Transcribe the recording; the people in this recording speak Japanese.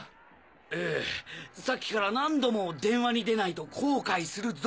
ええさっきから何度も「電話に出ないと後悔するぞ」